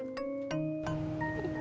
jawab aja lu